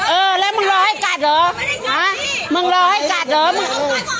เออแล้วมึงรอให้กัดเหรอฮะมึงรอให้กัดเหรอมึง